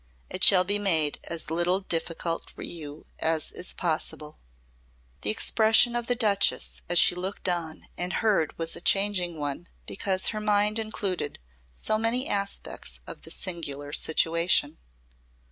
"It shall be made as little difficult for you as is possible." The expression of the Duchess as she looked on and heard was a changing one because her mind included so many aspects of the singular situation.